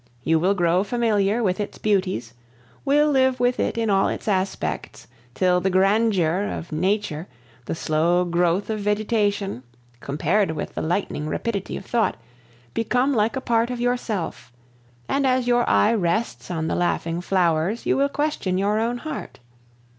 You will grow familiar with its beauties, will live with it in all its aspects, till the grandeur of nature, the slow growth of vegetation, compared with the lightning rapidity of thought, become like a part of yourself; and as your eye rests on the laughing flowers, you will question your own heart.